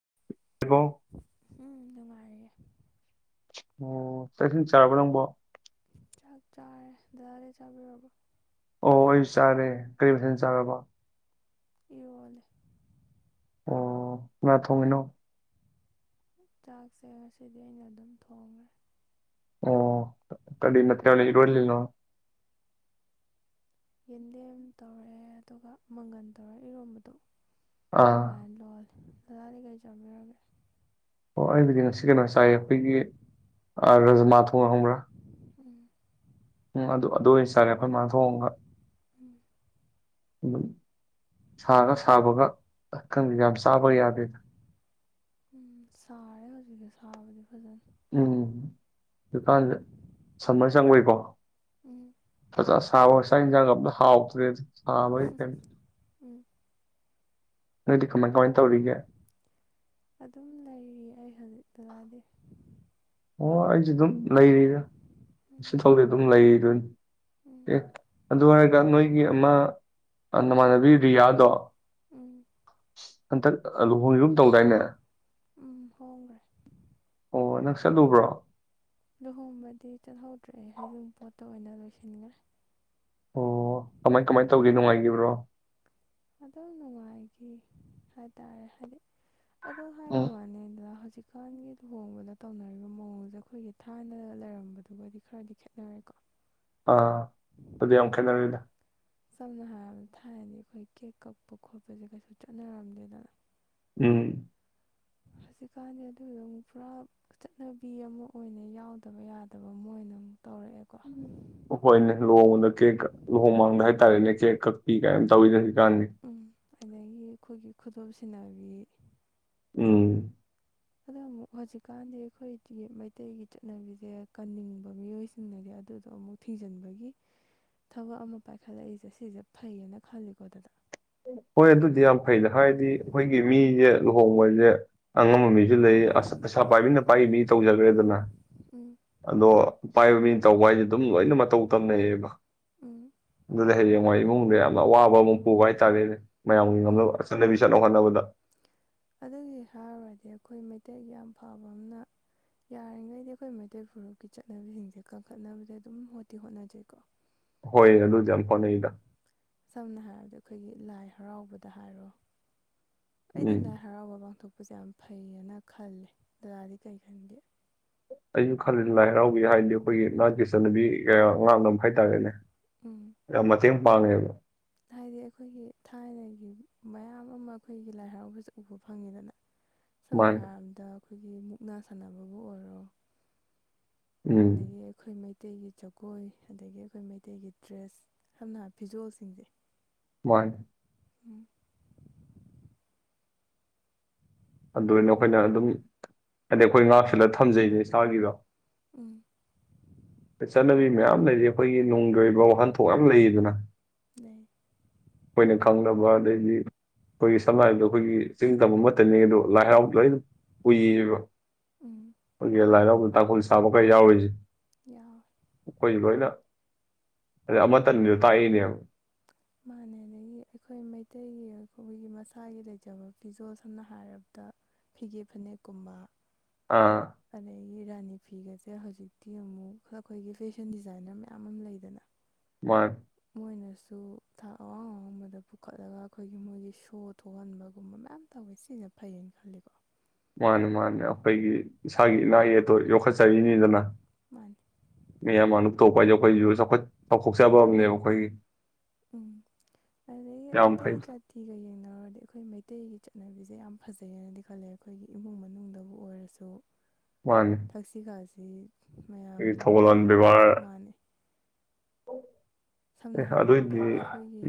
[inaudible] ꯎꯝ ꯅꯨꯡꯉꯥꯏꯔꯒꯦ ꯆꯥꯛꯁꯤꯡ ꯆꯥꯔꯕ ꯅꯪꯕꯣ ꯆꯥꯛ ꯆꯥꯔꯦ ꯗꯥꯗꯤ ꯆꯥꯕꯤꯔꯕ ꯑꯣ ꯑꯩꯁꯨ ꯆꯥꯔꯦ ꯀꯔꯤ ꯃꯊꯦꯜ ꯆꯥꯔꯕꯣ ꯏ ꯋꯥꯂ ꯑꯣ ꯉ ꯊꯣꯡꯉꯅꯣ ꯆꯥꯛꯁꯦ ꯉꯁꯤꯗꯤ ꯑꯩꯅ ꯑꯗꯨꯝ ꯊꯣꯡꯉꯦ ꯑꯣ ꯀꯅꯠꯇꯔꯂꯅꯣ ꯌꯦꯟꯗꯦꯝ ꯇꯧꯔꯦ ꯑꯗꯨꯒ ꯃꯪꯒꯟ ꯇꯧꯔꯦ ꯏꯔꯣꯝꯕꯗꯣ ꯑꯥ ꯍꯃꯥꯏꯟ ꯂꯣꯜ ꯑꯣꯖꯥꯗꯤ ꯀꯩ ꯆꯠꯃꯤꯔꯒꯦ ꯑꯣ ꯑꯩꯕꯨꯗꯤ ꯉꯁꯤ ꯀꯩꯅꯣ ꯆꯥꯏꯌꯦ ꯑꯩꯈꯣꯏꯒꯤ ꯔꯥꯖꯃꯥ ꯊꯣꯡꯉ ꯈꯪꯕ꯭ꯔꯥ ꯎꯝ ꯎꯝ ꯑꯗꯨ ꯑꯗꯨꯗꯣ ꯇꯔꯦ ꯑꯩꯈꯣꯏ ꯃ ꯊꯣꯡꯒ ꯎꯝ ꯁꯥꯒ ꯁꯥꯕꯒ ꯑꯈꯪ ꯌꯥꯝ ꯆꯥꯕ ꯌꯥꯗꯦꯗ ꯎꯝ ꯁꯥꯔꯦ ꯍꯧꯖꯤꯒꯦ ꯁꯥꯕꯗꯤ ꯐꯖꯅ ꯎꯝ ꯗꯨꯀꯥꯟꯗ ꯁꯝꯃꯔ ꯆꯪꯕꯏꯀꯣ ꯎꯝ ꯐꯖ ꯁꯥꯕ ꯆ ꯆꯥꯛ ꯌꯦꯟꯁꯥꯡ ꯑꯞꯅ ꯍꯥꯎ ꯍꯥꯕ ꯀ ꯎꯝ ꯅꯣꯏꯗꯤ ꯀꯃꯥꯏ ꯀꯃꯥꯏ ꯇꯧꯔꯤꯒꯦ ꯑꯗꯨꯝ ꯂꯩꯔꯤ ꯑꯩ ꯍꯧꯖꯤꯛꯛꯇꯖꯗꯤ ꯑꯣ ꯑꯩꯁꯨ ꯑꯗꯨꯝ ꯂꯩꯔꯤꯗ ꯎꯝ ꯏꯐꯥꯎꯗꯤ ꯑꯗꯨꯝ ꯂꯩꯔꯤꯗꯣꯏꯅꯤ ꯎꯝ ꯑꯦ ꯑꯗꯨ ꯑꯣꯏꯔꯒ ꯅꯣꯏꯒꯤ ꯑꯃ ꯅꯃꯥꯟꯅꯕꯤ ꯔꯤꯌꯥꯗꯣ ꯎꯝ ꯍꯟꯇꯛ ꯂꯨꯍꯣꯡꯁꯨ ꯂ ꯇꯧꯗꯥꯏꯅꯦ ꯎꯝ ꯍꯣꯡꯈ꯭ꯔꯦ ꯑꯣ ꯅ ꯆꯠꯂꯨꯕ꯭ꯔꯣ ꯂꯨꯍꯣꯡꯕꯗꯤ ꯆꯠꯍꯧꯗ꯭ꯔꯑꯦ ꯍꯖ ꯄꯣꯠꯇ ꯑꯣꯏꯅ ꯂꯣꯏꯁꯤꯟꯈ꯭ꯔꯦ ꯑꯣ ꯀꯃꯥꯏ ꯀꯃꯥꯏꯅ ꯇꯧꯒꯦ ꯅꯨꯡꯉꯥꯏꯈꯤꯕ꯭ꯔꯣ ꯑꯗꯨꯝ ꯅꯨꯡꯉꯥꯏꯈꯤ ꯍꯥꯏꯇꯥꯔꯦ ꯍꯥꯏꯗꯤ ꯎ ꯑꯗ ꯍꯧꯖꯤꯛꯀꯥꯟꯒꯤ ꯂꯨꯍꯣꯡꯕꯗ ꯇꯧꯅꯔꯤꯕ ꯃꯑꯣꯡꯁꯦ ꯑꯩꯈꯣꯏꯒꯤ ꯊꯥꯏꯅ ꯂꯩꯔꯝꯕꯗꯨꯒꯗꯤ ꯈꯔꯗꯤ ꯈꯦꯠꯅꯔꯦꯀꯣ ꯑꯥ ꯑꯗꯨ ꯌꯥꯝ ꯈꯦꯠꯅꯔꯤꯗ ꯁꯝꯅ ꯍꯥꯏꯔꯕꯗ ꯊꯥꯏꯔꯗꯤ ꯑꯩꯈꯣꯏ ꯀꯦꯛ ꯀꯛꯄ ꯈꯣꯠꯄꯁꯦ ꯀꯩꯁꯨ ꯆꯠꯅꯔꯝꯗꯦꯗꯅ ꯎꯝ ꯍꯧꯖꯤꯛꯀꯥꯟꯗꯤ ꯑꯗꯨꯗ ꯑꯃꯨꯛ ꯄꯨꯔꯥ ꯆꯠꯅꯕꯤ ꯑꯃ ꯑꯣꯏꯅ ꯌꯥꯎꯗꯕ ꯌꯥꯗꯕ ꯑꯃ ꯑꯣꯏꯅ ꯑꯃꯨꯛ ꯇꯧꯔꯛꯑꯦꯀꯣ ꯍꯣꯏꯅꯦ ꯂꯨꯉꯗ ꯀꯦꯛ ꯂꯨꯍꯣꯡ ꯃꯥꯡꯗ ꯍꯥꯏꯇꯥꯔꯦꯅꯦ ꯀꯦꯛ ꯀꯛꯄꯤ ꯀꯥꯏ ꯇꯧꯋꯤꯅ ꯍꯧ ꯎꯝ ꯑꯗꯒꯤ ꯑꯩꯈꯣꯏꯒꯤ ꯈꯨꯗꯣꯞꯁꯤꯟꯅꯕꯤ ꯎꯝ ꯑꯗꯣ ꯑꯃꯨꯛ ꯍꯧꯖꯤꯛꯀꯥꯟꯗꯤ ꯑꯩꯈꯣꯏꯒꯤ ꯃꯩꯇꯩꯒꯤ ꯆꯠꯅꯕꯤꯁꯦ ꯀꯟꯅꯤꯡꯕ ꯃꯤꯑꯣꯏꯁꯤꯡꯅꯗꯤ ꯑꯗꯨꯗꯣ ꯑꯃꯨꯛ ꯊꯤꯖꯤꯟꯕꯒꯤ ꯊꯕꯛ ꯑꯃ ꯄꯥꯏꯈꯠꯂꯛꯏꯁꯦ ꯁꯤꯁꯦ ꯐꯩꯌꯦꯅ ꯈꯜꯂꯤꯀꯣ ꯑꯗꯨꯗ ꯍꯣꯏ ꯑꯗꯨꯗꯤ ꯂꯨꯍꯣꯡꯕꯁꯦ ꯑꯉꯝꯕ ꯃꯤꯁꯨ ꯂꯩ ꯑꯁ ꯄꯩꯁꯥ ꯄꯥꯏꯕꯤꯅ ꯄꯥꯏꯕ ꯃꯤ ꯇꯧꯖꯈ꯭ꯔꯦꯗꯅ ꯎꯝ ꯑꯗꯣ ꯄꯥꯏꯕ ꯃꯤ ꯇꯧꯕ ꯍꯥꯏꯁꯦ ꯑꯗꯨꯝ ꯂꯣꯏꯅ ꯃꯇꯧ ꯇꯝꯅꯩꯑꯦꯕ ꯎꯝ ꯑꯗꯨꯗ ꯍꯌꯦꯡꯋꯥ ꯏꯃꯨꯡꯗ ꯌꯥꯝꯅ ꯑꯋꯥꯕ ꯑꯃꯨꯛ ꯄꯨꯕ ꯍꯥꯏ ꯇꯗꯦ ꯑꯗꯨ ꯃꯌꯥꯝꯒꯤ ꯎꯝ ꯉꯝꯅꯕ ꯆꯠꯅꯕꯤ ꯆꯠꯅ ꯍꯣꯠꯅꯕꯗ ꯑꯗꯨꯒꯤ ꯍꯥꯏꯔꯨꯔꯗꯤ ꯑꯩꯈꯣꯏ ꯃꯩꯇꯩꯒꯤ ꯌꯥꯝ ꯐꯕ ꯑꯃꯅ ꯌꯥꯔꯤꯈꯩꯗꯤ ꯑꯩꯈꯣꯏ ꯃꯩꯇꯩ ꯐꯨꯔꯨꯞꯀꯤ ꯆꯠꯅꯕꯤꯁꯤꯡꯁꯦ ꯀꯟꯈꯠꯅꯕꯗ ꯑꯗꯨꯝ ꯍꯣꯠꯇꯤ ꯍꯣꯠꯅꯖꯩꯀꯣ ꯍꯣꯏ ꯑꯗꯨ ꯑꯗꯨ ꯆ ꯁꯝꯅ ꯍꯥꯏꯔꯕꯗꯤ ꯑꯩꯈꯣꯏꯒꯤ ꯂꯥꯏ ꯍꯔꯥꯎꯕꯗ ꯍꯥꯏꯔꯣ ꯑꯩꯗꯤ ꯂꯥꯏ ꯎꯝ ꯍꯔꯥꯎꯕ ꯄꯥꯡꯊꯣꯛꯄ ꯄꯁꯦ ꯌꯥꯝ ꯐꯩꯌꯦꯅ ꯈꯂꯦ ꯗꯗꯥꯗꯤ ꯀꯩ ꯈꯟꯒꯦ ꯑꯩꯁꯨ ꯈꯜꯂꯤ ꯂꯥꯏ ꯍꯔꯥꯎꯕꯤ ꯍꯥꯏꯔꯗꯤ ꯑꯩꯈꯣꯏꯒꯤ ꯅꯥꯠꯀꯤ ꯆꯠꯅꯕꯤ ꯀꯌꯥ ꯉꯥꯡꯅꯕ ꯍꯥꯏꯇꯥꯔꯦꯅꯦ ꯎꯝ ꯌꯥꯝ ꯃꯇꯦꯡ ꯃꯥꯥꯡꯉꯦꯕ ꯍꯥꯏꯗꯤ ꯑꯩꯈꯣꯏꯒꯤ ꯊꯥꯏꯅꯒꯤ ꯃꯌꯥꯝ ꯑꯃ ꯑꯩꯈꯣꯏꯒꯤ ꯂꯥꯏ ꯍꯔꯥꯎꯕꯁꯤ ꯎꯕ ꯐꯪꯉꯤꯗꯅ ꯁꯝꯅ ꯃꯥꯅꯤ ꯍꯥꯏꯔꯕꯗ ꯑꯩꯈꯣꯏꯒꯤ ꯃꯨꯛꯅꯥ ꯁꯥꯟꯅꯕꯕꯨ ꯑꯣꯏꯔꯣ ꯎꯝ ꯑꯗꯒꯤ ꯑꯩꯈꯣꯏ ꯃꯩ ꯇꯩꯒꯤ ꯖꯒꯣꯏ ꯑꯗꯒꯤ ꯑꯩꯈꯣꯏ ꯃꯩꯇꯩꯒꯤ ꯗ꯭ꯔꯦꯁ ꯁꯝꯅ ꯍꯥꯏꯔꯕ ꯐꯤꯖꯣꯜꯁꯤꯡꯁꯦ ꯃꯥꯅꯤ ꯎꯝ ꯑꯗꯨꯅ ꯑꯩꯈꯣꯏꯅ ꯑꯗꯨꯝ ꯍꯥꯏꯗꯤ ꯑꯩꯈꯣꯏ ꯉꯥꯛꯁꯤꯜꯂ ꯊꯝꯖꯩꯅꯦ ꯏꯁꯥꯒꯤꯗꯣ ꯎꯝ ꯆꯠꯅꯕꯤ ꯃꯌꯥꯝ ꯂꯩꯔꯤ ꯑꯩꯈꯣꯏꯒꯤ ꯅꯨꯡꯒꯤ ꯑꯣꯏꯕ ꯋꯥꯍꯟꯊꯣꯛ ꯃꯌꯥꯝ ꯂꯩꯔꯤꯗꯅ ꯂꯩ ꯑꯩꯈꯣꯏꯅ ꯈꯪꯅꯕ ꯑꯗꯩꯗꯤ ꯑꯩꯈꯣꯏꯒꯤ ꯁꯝꯅ ꯍꯥꯏꯕꯗ ꯑꯩꯈꯣꯏꯒꯤ ꯆꯤꯡ ꯇꯝ ꯑꯃꯇꯅꯤ ꯑꯗꯣ ꯂꯥꯏꯔꯥꯎꯗ ꯂꯣꯏꯅ ꯎꯏꯌꯦꯕ ꯎꯝ ꯑꯈꯣꯏꯒꯤ ꯂꯥꯏ ꯍꯔꯥꯎ ꯇꯥꯡꯈꯨꯜ ꯁꯥꯕ ꯀ ꯌꯥꯎꯔꯤꯖꯦ ꯌꯥꯎ ꯑꯩꯈꯣꯏ ꯂꯣꯏꯅ ꯑꯗꯩ ꯑꯃꯇꯅꯤꯗꯣ ꯇꯥꯛꯏꯅꯦꯕ ꯃꯥꯅꯦ ꯑꯗꯒꯤ ꯑꯩꯈꯣꯏ ꯃꯩꯇꯩꯒꯤ ꯑꯩꯈꯣꯏꯒꯤ ꯃꯁꯥꯒꯤ ꯂꯩꯖꯕ ꯐꯤꯖꯣꯜ ꯁꯝꯅ ꯍꯥꯏꯔꯕꯗ ꯐꯤꯒꯦ ꯐꯅꯦꯛꯀꯨꯝꯕ ꯑꯥ ꯑꯗꯒꯤ ꯔꯥꯅꯤ ꯐꯤꯒꯁꯦ ꯍꯧꯖꯤꯛꯇꯤ ꯑꯃꯨꯛ ꯑꯩꯈꯣꯏꯒꯤ ꯐꯦꯁꯟ ꯗꯤꯖꯥꯏꯟꯅꯔ ꯃꯌꯥꯝ ꯑꯃ ꯂꯩꯗꯅ ꯃꯥꯅꯤ ꯃꯣꯏꯅꯁꯨ ꯊꯥꯛ ꯑꯋꯥꯡ ꯑꯋꯥꯡꯕꯗ ꯄꯨꯈꯠꯂꯒ ꯑꯩꯈꯣꯏꯒꯤ ꯃꯣꯏꯒꯤ ꯁꯣ ꯊꯣꯛꯍꯟꯕꯒꯨꯝꯕ ꯃꯌꯥꯝ ꯇꯧꯋꯦ ꯁꯤꯅ ꯐꯩꯌꯦꯅ ꯈꯜꯂꯤꯀꯣ ꯃꯥꯅꯦ ꯃꯥꯅꯦ ꯑꯩꯈꯣꯏꯒꯤ ꯏꯁꯥꯒꯤ ꯏꯅꯥꯠ ꯏꯌꯦꯛꯇꯣ ꯌꯣꯛꯈꯠꯆꯔꯤꯅꯤꯗꯅ ꯃꯥꯅꯤ ꯃꯌꯥꯝ ꯃꯥꯡꯗ ꯄꯨꯊꯣꯛꯄ ꯍꯥꯏꯁꯦ ꯑꯩꯈꯣꯏꯁꯨ ꯆꯥꯎꯈꯠ ꯆꯥꯎꯊꯣꯛꯆꯕ ꯑꯃꯅꯦꯕ ꯑꯩꯈꯣꯏꯒꯤ ꯎꯝ ꯑꯗꯒꯤ ꯌꯥꯝ ꯑꯇꯩ ꯐꯩ ꯖꯥꯇꯤꯒ ꯌꯦꯡꯅꯔꯨꯔꯗꯤ ꯑꯩꯈꯣꯏ ꯃꯩꯇꯩꯒꯤ ꯆꯠꯅꯕꯤꯁꯦ ꯌꯥꯝ ꯐꯖꯩꯌꯦꯅꯗꯤ ꯈꯜꯂꯦ ꯑꯩꯈꯣꯏꯒꯤ ꯏꯃꯨꯡ ꯃꯅꯨꯡꯗꯕꯨ ꯑꯣꯏꯔꯁꯨ ꯊꯛꯁꯤ ꯈꯥꯁꯤ ꯑ ꯑꯩ ꯊꯧꯒꯂꯣꯟ ꯕꯦꯕꯥꯔ ꯃꯥꯟꯅꯩ ꯑꯣ ꯁꯝꯅ ꯍꯥꯏꯔꯕꯗ ꯑꯩꯈꯣꯏꯒꯤ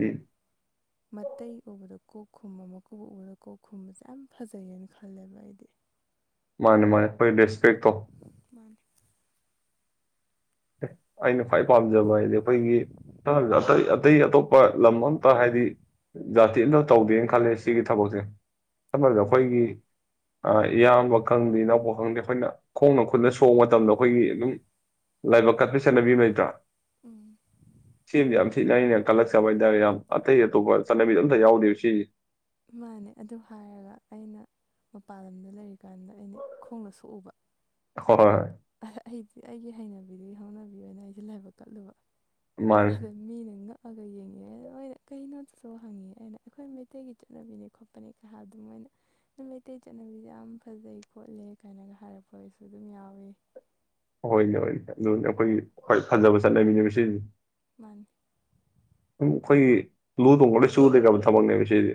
ꯃꯇꯩ ꯎꯕꯗꯣ ꯀꯣꯛ ꯈꯨꯨꯝꯕ ꯃꯀꯨꯕꯣꯛ ꯎꯕꯗ ꯀꯣꯛ ꯈꯨꯨꯝꯕꯁꯦ ꯌꯥꯝ ꯐꯖꯩꯌꯦꯅ ꯈꯜꯂꯦꯕ ꯑꯩꯗꯤ ꯃꯥꯅꯦ ꯃꯥꯅꯦ ꯑꯈꯣꯏ ꯔꯦꯁꯄꯦꯛꯇꯣ ꯃꯥꯥꯅꯦ ꯑꯦ ꯑꯩꯅ ꯈ꯭ꯋꯥꯏ ꯄꯥꯝꯖꯕ ꯍꯥꯏꯗꯤ ꯑꯩꯈꯣꯏꯒꯤ ꯑꯇꯩ ꯑꯇꯩ ꯑꯇꯣꯞꯄ ꯂꯝ ꯑꯝꯇ ꯍꯥꯏꯕꯗꯤ ꯖꯥꯇꯤ ꯑꯃꯇ ꯇꯧꯗꯦꯅ ꯈꯜꯂꯦ ꯁꯤꯒꯤ ꯊꯕꯛꯁꯦ ꯁꯝꯅ ꯍꯥꯏꯔꯕꯗ ꯎꯝ ꯑꯩꯈꯣꯏꯒꯤ ꯏꯌꯥꯝꯕ ꯈꯪꯗꯦ ꯑꯅꯧꯕ ꯈꯪꯗꯦ ꯑꯩꯈꯣꯏꯅ ꯈꯣꯡꯅ ꯈꯨꯠꯅ ꯁꯣꯛꯕ ꯃꯇꯝꯗ ꯑꯩꯈꯣꯏꯒꯤ ꯑꯗꯨꯝ ꯂꯥꯏꯕꯛ ꯀꯠꯄ ꯁꯦꯟꯅꯕꯤ ꯅꯇ꯭ꯔꯥ ꯎꯝ ꯁꯤ ꯌꯥ ꯁꯤꯅ ꯑꯩꯅ ꯀꯜꯂꯛꯆꯕ ꯍꯥꯏꯇꯥꯔꯦ ꯌꯥꯝ ꯑꯇꯩ ꯑꯇꯣꯞꯄ ꯆꯠꯅꯕꯤꯗ ꯑꯝꯇ ꯌꯥꯎꯗꯦꯕ ꯁꯤ ꯃꯥꯅꯦ ꯑꯗꯨ ꯍꯥꯏꯔꯒ ꯑꯩꯅ ꯃꯄꯥꯟ ꯂꯝꯗ ꯂꯩꯔꯤꯀꯥꯟꯗ ꯑꯩꯅ ꯈꯣꯡꯗ ꯁꯣꯛꯎꯕ ꯍ ꯍꯣꯏ ꯍꯣꯏ ꯑꯩꯗꯤ ꯑꯩꯒꯤ ꯍꯩꯅꯕꯤꯗꯨꯒꯤ ꯍꯧꯅꯕꯤ ꯑꯣꯏꯅ ꯑꯩꯁꯦ ꯂꯥꯏꯕꯛ ꯀꯠꯂꯨꯕ ꯃꯥꯅꯤ ꯑ ꯃꯅꯦꯒ ꯑꯒ ꯌꯦꯡꯉꯤꯦ ꯃꯣꯏꯅ ꯀꯩꯅꯣꯗꯁꯨ ꯍꯪꯉꯤ ꯑꯩꯅ ꯑꯩꯈꯣꯏ ꯃꯩꯇꯩꯒꯤ ꯆꯠꯅꯕꯤꯅꯤ ꯈꯣꯠꯄꯅꯦ ꯀ ꯍꯥꯏ ꯑꯗꯨꯝ ꯃꯣꯏꯅ ꯃꯩꯇꯩꯒꯤ ꯆꯠꯅꯕꯤꯁꯦ ꯌꯥꯝ ꯐꯖꯩ ꯈꯣꯠꯂꯦ ꯀꯥꯏꯅꯒ ꯍꯥꯏꯔꯛꯄ ꯑꯣꯏꯁꯨ ꯑꯗꯨꯝ ꯌꯥꯎꯋꯦ ꯍꯣꯏꯅꯦ ꯍꯣꯏꯅꯦ ꯑꯗꯨꯅꯤ ꯎꯝ ꯑꯩꯈꯣꯏꯒꯤ ꯈ ꯐꯖꯕ ꯆꯠꯅꯕꯤꯅꯦꯕ ꯁꯤꯗꯤ ꯃꯥꯅꯤ ꯝ ꯑꯩꯈꯣꯏꯒꯤ ꯂꯨ ꯊꯣꯡꯕ ꯂꯣꯏ ꯆꯨꯗꯦ ꯀꯕ ꯊꯕꯛꯅꯦꯕ ꯁꯤꯗꯤ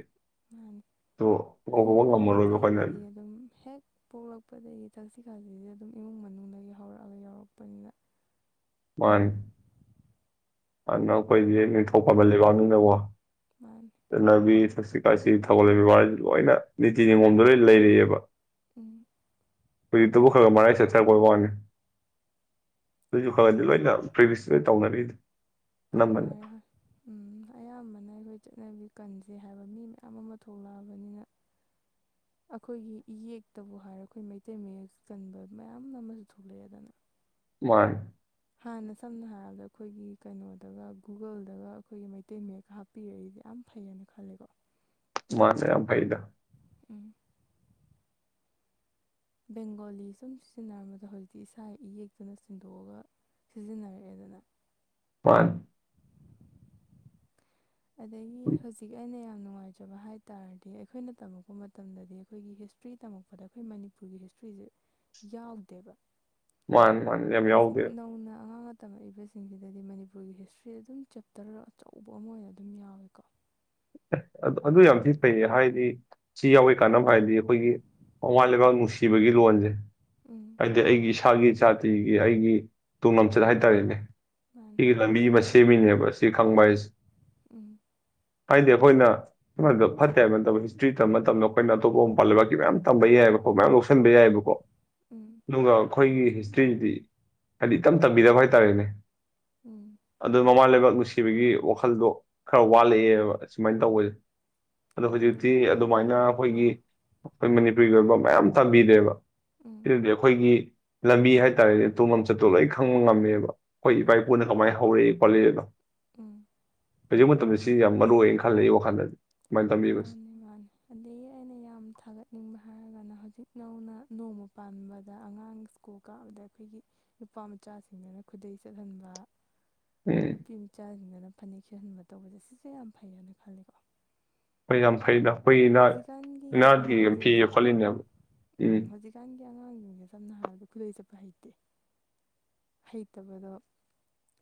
ꯃꯥꯅꯤ ꯑꯗꯣ ꯍꯥꯏꯗꯤ ꯀꯧꯕ ꯑꯩꯈꯣꯏ ꯉꯝꯃꯔꯣꯏꯕ ꯑꯩꯈꯣꯏꯅ ꯃꯩꯇꯩꯒꯤꯗꯤ ꯑꯗꯨꯝ ꯍꯦꯛ ꯄꯣꯛꯂꯛꯄꯗꯒꯤ ꯊꯛꯆ ꯁꯤꯀꯥꯟꯁꯤꯗꯤ ꯑꯗꯨꯝ ꯏꯃꯨꯡ ꯃꯅꯨꯡꯗꯒꯤ ꯍꯧꯔꯛꯑꯒ ꯌꯥꯎꯔꯛꯄꯅꯤꯅ ꯋꯥꯟ ꯑꯅ ꯀꯣꯏ ꯊꯣꯛꯄꯕꯦꯕꯅꯗꯕ ꯃꯥꯅꯤ ꯆꯂꯕꯤ ꯁꯁ꯭ꯔꯤ ꯁꯤ ꯊꯧꯒꯜꯕ ꯕꯕꯥꯔꯁꯤ ꯂꯣꯏꯅ ꯅꯤꯇꯤ ꯅꯤꯉꯣꯝꯗ ꯂꯣꯏ ꯂꯩꯔꯤꯛꯑꯕ ꯎꯝ ꯍꯧꯖꯤ ꯇꯕꯨꯈꯒ ꯃꯔꯥꯏ ꯆꯠꯊꯔꯛꯄꯣꯏ ꯋꯥꯅꯤ ꯑꯗꯨꯁꯨꯨ ꯀꯗꯔ ꯍꯧꯖꯤꯛ ꯂꯩꯅ ꯄ꯭ꯔꯕꯤꯁ ꯁꯤ ꯇꯧꯅꯔꯤꯏꯦ ꯇꯧꯅꯔꯦ ꯍꯣꯏ ꯎꯝ ꯑꯌꯥꯝꯕꯅ ꯑꯩꯈꯣꯏ ꯆꯠꯅꯕꯤ ꯀꯟꯁꯦ ꯍꯥꯏꯕ ꯃꯤ ꯃꯌꯥꯝ ꯑꯃ ꯊꯣꯛꯂꯛꯑꯕꯅꯤꯅ ꯑꯩꯈꯣꯏꯒꯤ ꯏꯌꯦꯛꯛꯇꯕꯨ ꯍꯥꯏꯔ ꯑꯩꯈꯣꯏ ꯃꯩꯇꯩ ꯃꯌꯦꯛ ꯀꯟꯕ ꯃꯌꯥꯝ ꯑꯃꯁꯨ ꯊꯣꯛꯂꯛꯑꯦꯗꯅ ꯋꯥꯟ ꯍꯥꯟꯅ ꯁꯝꯅ ꯍꯥꯏꯔꯕꯗ ꯑꯩꯈꯣꯏꯒꯤ ꯀꯩꯅꯣꯗꯒ ꯒꯨꯒꯜꯗꯒ ꯑꯩꯈꯣꯏꯒꯤ ꯃꯩꯇꯩ ꯃꯌꯦꯛꯀ ꯍꯥꯞꯄꯤꯔꯛꯏꯗꯤ ꯌꯥꯝ ꯐꯩꯌꯦꯅ ꯈꯜꯂꯦꯀꯣ ꯃꯥꯅꯦ ꯌꯥꯝ ꯐꯩꯗ ꯎꯝ ꯕꯦꯡꯒꯣꯂꯤ ꯁꯨꯝ ꯁꯤꯖꯤꯟꯅꯔꯝꯕꯗ ꯍꯧꯖꯤꯛꯇꯤ ꯏꯁꯥ ꯏꯌꯦꯛꯛꯇꯨꯅ ꯁꯤꯦꯡꯗꯣꯛꯑꯒ ꯁꯤꯖꯤꯟꯅꯔꯛꯑꯦꯗꯅ ꯋꯥꯟ ꯑꯗꯒꯤ ꯍꯧꯖꯤꯛ ꯑꯩꯅ ꯌꯥꯝ ꯌꯥꯝ ꯅꯨꯡꯉꯥꯏꯖꯕ ꯍꯥꯏ ꯇꯥꯔꯗꯤ ꯑꯩꯈꯣꯏꯅ ꯇꯝꯃꯛꯄ ꯃꯇꯝꯗꯗꯤ ꯑꯩꯈꯣꯏꯒꯤ ꯍꯤꯁꯇ꯭ꯔꯤ ꯇꯝꯃꯛꯄꯗ ꯑꯩꯈꯣꯏ ꯃꯅꯤꯄꯨꯔꯒꯤ ꯍꯤꯁꯇ꯭ꯔꯤꯁꯦ ꯌꯥꯎꯗꯦꯕ ꯃꯥꯅꯤ ꯃꯥꯅꯤ ꯌꯥꯝ ꯍꯧꯖꯤꯛ ꯌꯥꯎꯗꯦ ꯅꯧꯅ ꯑꯉꯥꯡꯅ ꯇꯝꯃꯛꯏꯕꯁꯤꯡꯁꯤꯗꯗꯤ ꯃꯅꯤꯄꯨꯔꯒꯤ ꯍꯤꯁꯇ꯭ꯔꯤ ꯑꯗꯨꯝ ꯆꯦꯞꯇꯔ ꯑꯆꯧꯕ ꯑꯃ ꯑꯣꯏꯅ ꯑꯗꯨꯝ ꯌꯥꯎꯋꯦꯀꯣ ꯑꯗꯨ ꯌꯥꯝ ꯊꯤ ꯐꯩꯌꯦ ꯍꯥꯏꯗꯤ ꯁꯤ ꯌꯥꯎꯋꯤ ꯀꯥꯟꯅꯕ ꯍꯥꯏꯗꯤ ꯑꯩꯈꯣꯏꯒꯤ ꯃꯃꯥ ꯂꯩꯕꯥꯛ ꯅꯨꯡꯁꯤꯕꯒꯤ ꯂꯣꯟꯁꯦ ꯎꯝ ꯍꯥꯏꯗꯤ ꯑꯩꯒꯤ ꯏꯁꯥꯒꯤ ꯖꯥꯇꯤꯒꯤ ꯑꯩꯒꯤ ꯇꯨꯡ ꯂꯝꯁꯤꯗ ꯍꯥꯏꯇꯥꯔꯦꯅꯦ ꯃꯥꯅꯤ ꯂꯝꯕꯤ ꯃꯁ ꯁꯤꯕꯤꯅꯦꯕ ꯁꯤ ꯈꯪꯕ ꯍꯥꯏꯁꯦ ꯎꯝ ꯍꯥꯏꯗꯤ ꯑꯩꯈꯣꯏꯅ ꯁꯃꯥꯏꯗ ꯐꯠꯇꯦ ꯍꯥꯏꯕ ꯅꯠꯇꯕ ꯍꯤꯁꯇ꯭ꯔꯤ ꯇꯝꯕ ꯃꯇꯝꯗ ꯑꯩꯈꯣꯏꯅ ꯑꯇꯣꯞꯄ ꯃꯄꯥꯟꯜ ꯂꯩꯕꯥꯛꯀꯤ ꯃꯌꯥꯝ ꯇꯝꯕ ꯌꯥꯏꯕꯀꯣ ꯃꯌꯥꯝ ꯂꯧꯁꯤꯟꯕ ꯌꯥꯏꯑꯕꯀꯣ ꯎꯝ ꯅꯨꯡꯒ ꯑꯩꯈꯣꯏꯒꯤ ꯍꯤꯁꯇ꯭ꯔꯤꯁꯤꯗꯤ ꯍꯥꯏꯗꯤ ꯏꯇꯝ ꯇꯝꯕꯤꯗꯕ ꯍꯥꯏꯇꯥꯔꯦꯅꯦ ꯎꯝ ꯑꯗꯨꯗ ꯃꯃꯥ ꯂꯩꯕꯥꯛ ꯅꯨꯡꯁꯤꯕꯒꯤ ꯋꯥꯈꯜꯗꯣ ꯈꯔ ꯋꯥꯠꯂꯛꯑꯦꯕ ꯑ ꯁꯨꯃꯥꯏꯅ ꯇꯧꯕꯁꯦ ꯑꯗꯣ ꯍꯧꯖꯤꯛꯇꯤ ꯑꯗꯒꯤ ꯑꯩꯅ ꯑꯗꯨꯃꯥꯏꯅ ꯑꯩꯈꯣꯏꯒꯤ ꯑꯥ ꯑꯩꯈꯣꯏ ꯃꯅꯤꯄꯨꯔꯔꯤꯒꯤ ꯑꯣꯏꯕ ꯃꯌꯥꯝ ꯇꯝꯕꯤꯔꯦꯕ ꯎꯝ ꯁꯤꯗꯗꯤ ꯑꯩꯈꯣꯏꯒꯤ ꯂꯝꯕꯤ ꯍꯥꯏꯇꯥꯔꯦꯅꯦ ꯑꯇꯣꯝ ꯂꯝꯆꯠꯇꯣ ꯂꯣꯏ ꯈꯪꯕ ꯉꯝꯃꯦꯕ ꯍꯣꯏ ꯏꯄꯥ ꯎꯝ ꯏꯄꯨꯅ ꯀꯃꯥꯏꯅ ꯍꯧꯔꯛꯏ ꯐꯂꯤꯗ ꯎꯝ ꯍꯧꯖꯤꯛ ꯃꯇꯝꯗ ꯁꯤ ꯌꯥꯝ ꯃꯔꯨ ꯑꯣꯏ ꯈ ꯂꯩꯩ ꯋꯥ ꯈꯥꯟꯗꯖꯦ ꯃꯥꯅꯤ ꯃꯥꯅꯤ ꯑꯗꯒꯤ ꯑꯩꯅ ꯌꯥꯝ ꯊꯥꯒꯠꯅꯤꯡꯕ ꯍꯥꯏꯔꯒꯅ ꯍꯧꯖꯤꯛ ꯅꯧꯅ ꯅꯣꯡꯃ ꯄꯥꯟꯕꯗ ꯑꯉꯥꯡ ꯁ꯭ꯀꯨꯜ ꯀꯥꯕꯗ ꯑꯩꯈꯣꯏꯒꯤ ꯅꯨꯄꯥ ꯃꯆꯥꯁꯤꯡꯗꯨꯅ ꯈꯨꯗꯩ ꯆꯠꯍꯟꯕ ꯎꯝ ꯅꯨꯄꯤ ꯃꯆꯥꯥꯦꯅ ꯐꯅꯦꯛ ꯈꯍꯟꯕ ꯇꯧꯕꯁꯦ ꯁꯤꯁꯦ ꯌꯥꯝ ꯐꯩꯌꯦꯅ ꯈꯜꯂꯦꯀꯣ ꯍꯣꯏ ꯌꯥꯝ ꯐꯩꯗ ꯑꯩꯈꯣꯏꯒꯤ ꯅꯥꯠ ꯍꯧꯖꯤꯛꯀꯥꯟꯒꯤ ꯅꯥꯠꯀꯤ ꯌꯥꯝ ꯐꯤꯌꯦ ꯑꯉꯥꯡꯁꯤꯡꯁꯦꯀꯣ ꯈꯣꯠꯂꯤꯅꯦꯕ ꯎꯝ ꯍꯧꯖꯤꯛꯀꯥꯟ ꯑꯩ ꯑꯉꯥꯡꯁꯤꯡꯁꯦ ꯁꯝꯅ ꯍꯥꯏꯔꯕꯗ ꯈꯨꯗꯩ ꯁꯦꯠꯄ ꯍꯩꯇꯦ ꯍꯩꯇꯕꯗꯣ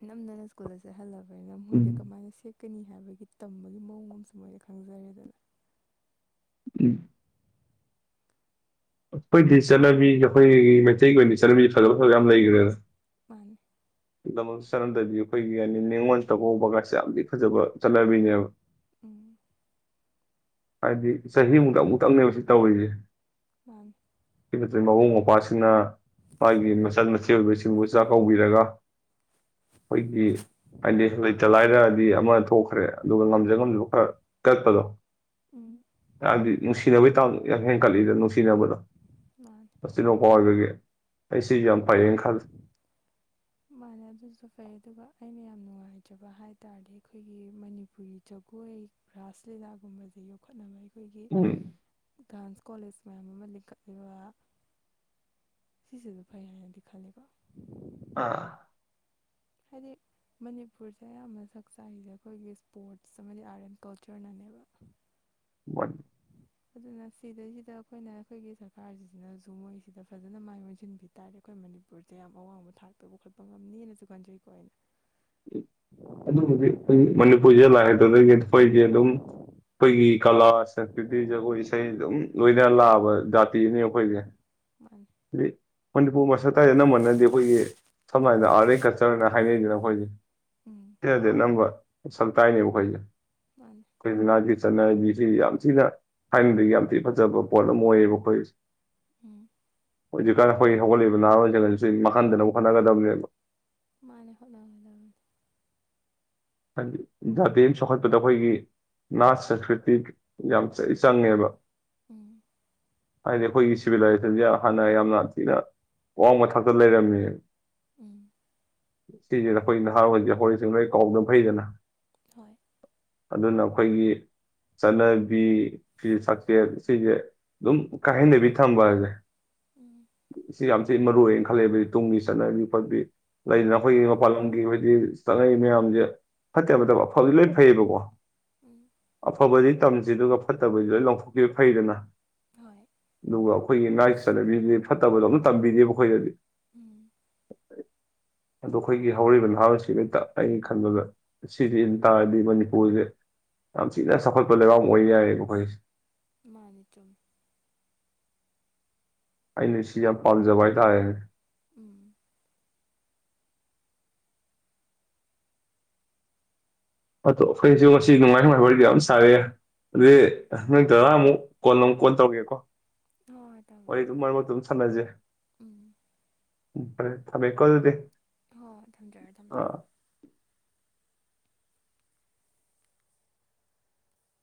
ꯅꯝꯗꯅ ꯁ꯭ꯀꯨꯜꯗ ꯆꯦ ꯍꯜꯂꯕ ꯑꯗꯨꯃꯥꯏꯅ ꯎꯝ ꯃꯣꯏꯗ ꯀꯃꯥꯏꯅ ꯁꯦꯛ ꯀꯅꯤ ꯍꯥꯏꯕꯒꯤ ꯇꯝꯕꯒꯤ ꯃꯑꯣꯡ ꯑꯃꯁꯨ ꯃꯣꯏꯅ ꯈꯪꯖꯔꯦꯗꯅ ꯎꯝ ꯑꯩꯈꯣꯏꯗꯤ ꯆꯠꯅꯕꯤ ꯑꯩꯈꯣꯏꯒꯤ ꯃꯩꯇꯩꯒꯤ ꯑꯣꯏꯅ ꯆꯠꯅꯕꯤꯁꯤ ꯐꯖꯕ ꯐꯖꯕ ꯌꯥꯝ ꯂꯩꯈ꯭ꯔꯦꯗ ꯃꯥꯅꯤ ꯆꯠꯅꯗꯕꯤ ꯑꯩꯈꯣꯏꯒꯤ ꯍꯥꯏꯅꯤ ꯅꯤꯉꯣꯟ ꯆꯥꯛꯀꯧꯕꯒꯁꯦ ꯌꯥꯝꯗꯤ ꯐꯖꯕ ꯆꯠꯅꯕꯤꯅꯦꯕ ꯎꯝ ꯍꯥꯏꯗꯤ ꯆꯍꯤꯃꯨꯛꯇꯪ ꯑꯃꯨꯛꯇꯪꯅꯦꯕ ꯁꯤ ꯇꯧꯔꯤꯁꯦ ꯑꯧ ꯁꯤ ꯅꯠꯇ꯭ꯔꯗꯤ ꯃꯕꯨꯡ ꯃꯧꯄ꯭ꯁꯤꯡꯅ ꯃꯥꯒꯤ ꯃꯆꯟ ꯃꯆꯦ ꯑꯣꯏꯕꯁꯤꯡꯕꯨ ꯆꯥꯛ ꯀꯧꯕꯤꯔꯒ ꯑꯩꯈꯣꯏꯒꯤ ꯍꯥꯏꯗꯤ ꯂꯩꯇ ꯂꯥꯏꯔꯗꯤ ꯑꯃ ꯊꯣꯛꯈ꯭ꯔꯦ ꯑꯗꯨꯒ ꯉꯝꯖ ꯉꯝꯖꯕ ꯈꯔ ꯀꯠꯄꯗꯣ ꯎꯝ ꯍꯥꯏꯕꯗꯤ ꯅꯨꯡꯁꯤꯅꯕꯩ ꯇꯥꯝ ꯌꯥꯝ ꯍꯦꯟꯒꯠꯂꯤꯗ ꯁꯤꯅꯕꯗꯣ ꯃꯥꯅꯤ ꯃꯆꯤꯟ ꯃꯧ ꯄꯥ ꯑꯣꯏꯕꯒꯤ ꯑꯩꯁꯤ ꯌꯥꯝ ꯄꯥꯏꯌꯦꯅ ꯈꯜꯂꯦ ꯃꯥꯅꯦ ꯑꯗꯨꯁꯨ ꯐꯩ ꯑꯗꯨꯒ ꯑꯩꯅ ꯌꯥꯝ ꯅꯨꯡꯉꯥꯏꯖꯕ ꯍꯥꯏ ꯇꯥꯔꯗꯤ ꯑꯩꯈꯣꯏꯒꯤ ꯃꯅꯤꯄꯨꯔꯤ ꯖꯒꯣꯏ ꯔꯥꯁ ꯂꯤꯂꯥꯒꯨꯝꯕꯁꯦ ꯌꯣꯛꯈꯠꯅꯕ ꯑꯩꯈꯣꯏꯒꯤ ꯎꯝ ꯗꯥꯟꯁ ꯀꯣꯂꯦꯖ ꯃꯌꯥꯝ ꯑꯃ ꯂꯤꯡꯈꯠꯂꯤꯕ ꯁꯤꯁꯤꯁꯨ ꯐꯩ ꯍꯥꯏꯅꯗꯤ ꯈꯜ ꯂꯦꯀꯣ ꯑꯥ ꯍꯥꯏꯗꯤ ꯃꯅꯤꯄꯨꯔꯁꯦ ꯑꯌꯥꯝꯕ ꯁꯛ ꯆꯥꯏꯁꯦ ꯑꯩꯈꯣꯏꯒꯤ ꯏꯁꯄꯣꯔꯠꯁ ꯑꯃꯗꯤ ꯑꯥꯔꯠ ꯑꯦꯟ ꯀꯜꯆꯔꯅꯅꯦꯕ ꯋꯥ ꯑꯗꯨꯅ ꯁꯤꯗꯩꯁꯤꯗ ꯑꯩꯈꯣꯏꯅ ꯑꯩꯈꯣꯏꯒꯤ ꯁꯔꯀꯥꯔꯁꯤꯁꯤꯅꯁꯨ ꯃꯣꯏꯁꯤꯗ ꯐꯖꯅ ꯃꯥꯏ ꯑꯣꯟꯁꯤꯟꯕꯤ ꯇꯥꯔꯦ ꯑꯩꯈꯣꯏ ꯃꯅꯤꯄꯨꯔꯁꯦ ꯌꯥꯝ ꯑꯋꯥꯡꯕ ꯊꯥꯛꯇꯧꯕ ꯈꯣꯠꯄ ꯉꯝꯅꯦꯅꯁꯨ ꯈꯟꯖꯩꯀꯣ ꯑꯩꯅ ꯑꯗꯨ ꯃꯅꯤꯄꯨꯔ [unintelligible] [unintelligible] ꯑꯩꯈꯣꯏꯒꯤ ꯀꯂꯥ ꯁꯪꯁꯀ꯭ꯔꯤꯇꯤ ꯖꯒꯣꯏ ꯏꯁꯩ ꯑꯗꯨꯝ ꯂꯣꯏꯅ ꯂꯥꯛꯑꯕ ꯖꯥꯇꯤꯅꯤ ꯑꯩꯈꯣꯏꯁꯦ ꯃꯥꯅꯦ ꯍꯥꯏꯗꯤ ꯃꯅꯤꯄꯨꯔ ꯃꯁꯛꯇꯗ ꯑꯅꯝꯕꯅꯗꯤ ꯑꯩꯈꯣꯏꯒꯤ ꯁꯝꯅ ꯍꯥꯏꯔꯕꯗ ꯑꯥꯔꯠ ꯑꯦꯟ ꯀꯜꯆꯔꯅ ꯍꯥꯏꯅꯩꯗꯅ ꯑꯩꯈꯣꯏꯁ ꯎꯝ ꯁꯤꯅꯗꯤ ꯑꯅꯝꯕ ꯁꯛ ꯇꯥꯏꯅꯦꯕ ꯑꯩꯈꯣꯏꯁꯦ ꯃꯥꯅꯦ ꯑꯩꯈꯣꯏ ꯅꯥꯒꯤ ꯆꯠꯅꯕꯤꯁꯤ ꯌꯥꯝ ꯊꯤꯅ ꯊꯥꯏꯅꯗꯒꯤ ꯌꯥꯝ ꯊꯤꯅ ꯐꯖꯕ ꯄꯣꯠ ꯑꯃ ꯑꯣꯏꯌꯦꯕ ꯑꯩꯈꯣꯏꯁꯦ ꯎꯝ ꯍꯧꯖꯤꯛꯀꯥꯟ ꯑꯩꯈꯣꯏ ꯍꯧꯒꯠꯂꯛꯏꯕ ꯅꯍꯥꯔꯣꯟꯁꯤꯡꯁꯨ ꯃꯥꯡꯍꯟꯗꯅꯕ ꯍꯣꯠꯅꯒꯗꯕꯅꯦꯕ ꯃꯥꯅꯦ ꯍꯣꯠꯅꯒꯗꯕꯅꯦ ꯍꯥꯏꯗꯤ ꯖꯥꯇꯤ ꯑꯃ ꯆꯥꯎꯣꯛꯈꯠꯄꯗ ꯑꯩꯈꯣꯏꯒꯤ ꯅꯥꯠ ꯁꯪꯁꯀ꯭ꯔꯤꯇꯤ ꯌꯥꯝ ꯆꯪꯉꯦꯕ ꯎꯝ ꯍꯥꯏꯗꯤ ꯑꯩꯈꯣꯏꯒꯤ ꯁꯤꯚꯤꯂꯥꯏꯖꯦꯁꯟꯁꯦ ꯍꯥꯟꯅ ꯌꯥꯝꯅ ꯊꯤꯅ ꯑꯋꯥꯡꯕ ꯊꯥꯛꯇ ꯂꯩꯔꯝꯃꯤ ꯎꯝ ꯁꯤꯁꯤꯅ ꯑꯩꯈꯣꯏ ꯅꯍꯥꯔꯣꯜꯁꯤꯡ ꯂꯣꯏ ꯀꯥꯎꯅꯕ ꯑꯣꯏꯗꯅ ꯍꯣꯏ ꯑꯗꯨꯅ ꯑꯩꯈꯣꯏꯒꯤ ꯆꯠꯅꯕꯤ ꯐꯤ ꯁꯥꯛꯁꯦꯠ ꯁꯤꯁꯦ ꯑꯗꯨꯝ ꯀꯥꯏꯍꯟ ꯗꯕꯤ ꯊꯝꯕ ꯍꯥꯏꯁꯦ ꯎꯝ ꯁꯤ ꯌꯥꯝ ꯃꯔꯨꯑꯣꯏꯌꯦꯅ ꯈꯜꯂꯦꯕ ꯑꯩꯗꯤ ꯇꯨꯡꯒꯤ ꯆꯠꯅ ꯌ ꯐꯠꯕꯤ ꯂꯩꯗꯅ ꯑꯩꯈꯣꯏꯒꯤ ꯃꯥꯅꯦ ꯃꯄꯥꯟ ꯂꯝꯒꯤ ꯍꯥꯏꯗꯤ ꯆꯅꯩ ꯃꯌꯥꯝꯁꯦ ꯐꯠꯇꯦ ꯐꯠꯇꯕꯐꯕꯗꯤ ꯂꯣꯏ ꯐꯩꯌꯦꯕꯀꯣ ꯎꯝ ꯑꯐꯕ ꯇꯝꯁꯤ ꯑꯗꯨꯒ ꯐꯠꯇꯕꯁꯨ ꯂꯣꯏ ꯂ ꯂꯧꯊꯣꯛꯈꯤꯕ ꯐꯩꯗꯅ ꯍꯣꯏ ꯑꯗꯨꯒ ꯑꯩꯈꯣꯏꯒꯤ ꯂꯥꯏꯔꯤꯛ ꯆꯠꯅꯕꯤꯁꯤꯗꯤ ꯐꯠꯇꯕꯗꯣ ꯑꯃꯝ ꯇꯝꯕꯤꯅꯦꯕ ꯑꯩꯈꯣꯏꯗꯗꯤ ꯎꯝ ꯑꯗꯣ ꯑꯩꯈꯣꯏꯒꯤ ꯍꯧꯔꯤꯕ ꯅꯍꯥꯁꯤ ꯍꯛꯇ ꯑꯩꯅ ꯈꯟꯕꯗ ꯁꯤꯁꯤ ꯇꯥꯔꯗꯤ ꯃꯅꯤꯄꯨꯔꯁꯦ ꯌꯥꯝ ꯊꯤꯅ ꯆꯥꯎꯈꯠꯄ ꯂꯩꯕꯥꯛ ꯑꯣꯏ ꯌꯥꯏꯔꯕ ꯑꯩꯈꯣꯏꯁꯦ ꯃꯅꯤꯆꯨꯝ ꯑꯩꯅ ꯁꯤ ꯌꯥꯝ ꯄꯝꯖꯕ ꯍꯥꯏꯇꯔꯦꯅꯦ꯫ ꯎꯝ ꯑꯗꯣ ꯑꯩꯈꯣꯏꯁꯨ ꯉꯁꯤ ꯅꯨꯡꯉꯥꯏ ꯅꯨꯡꯉꯥꯏꯕ ꯋꯥꯔꯤ ꯌꯥꯝ ꯁꯥꯔꯑꯦ ꯑꯗꯨꯗꯤ ꯅꯪ ꯗꯥꯗꯥ ꯑꯃꯨꯛ ꯀꯣꯟ ꯅꯑꯃꯨꯛ ꯀꯣꯟ ꯇꯧꯔꯒꯦꯀꯣ꯫ ꯍꯣꯏ ꯍꯣꯏ ꯋꯥꯔꯤ ꯇꯧꯕꯤꯔꯣ ꯑꯗꯨ ꯃꯔ ꯃꯔꯛꯇ ꯑꯗꯨꯝ ꯁꯥꯟꯅꯖꯦ ꯎꯝ ꯎ ꯐꯔꯦ ꯊꯝꯃꯦꯀꯣ ꯑꯗꯨꯗꯗꯤ ꯍꯣꯏ ꯊꯝꯖꯔꯣ ꯊꯝꯖꯔꯣ꯫